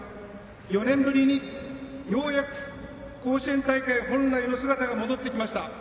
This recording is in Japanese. ４年ぶりにようやく甲子園大会本来の姿が戻ってきました。